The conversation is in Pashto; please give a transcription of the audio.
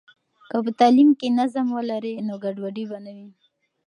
که په تعلیم کې نظم ولري، نو ګډوډي به نه وي.